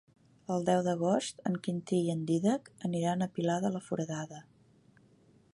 El deu d'agost en Quintí i en Dídac aniran al Pilar de la Foradada.